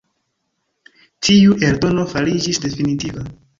Tiu eldono fariĝis definitiva.